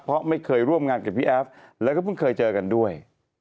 เพราะไม่เคยร่วมงานกับพี่แอฟแล้วก็เพิ่งเคยเจอกันด้วย